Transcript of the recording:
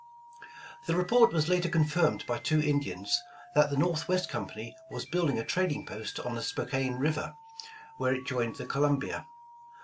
The report was later confirmed by two Indians, that the Northwest Company was building a trading post on the Spokane Kiver, where it joined the Colum bia.